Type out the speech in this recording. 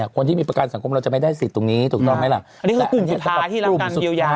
คนที่มีประกันสังคมเราจะไม่ได้สิทธิ์ตรงนี้ถูกต้องไหมล่ะกลุ่มสุดเยียวยา